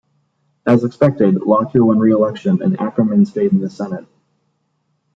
As expected, Lockyer won re-election and Ackerman stayed in the Senate.